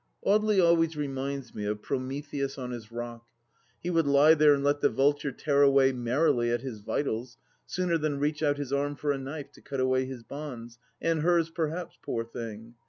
Audely always reminds me of Prometheus on his rock. He would lie there and let the vulture tear away merrily at his vitals, sooner than reach out his arm for a knife to cut away his bonds — and hers, perhaps, poor thing